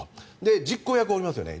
実行役がおりますよね。